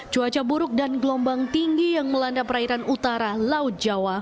cuaca buruk dan gelombang tinggi yang melanda perairan utara laut jawa